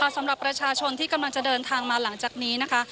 สำหรับประชาชนที่กำลังจะเดินทางมาหลังจากนี้นะคะ